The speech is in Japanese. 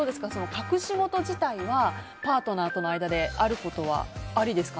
隠し事自体はパートナーとの間であることはありですか？